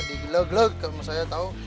digleg leg kalau mau saya tau